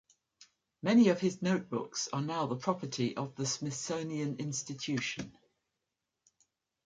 Many of his notebooks are now the property of the Smithsonian Institution.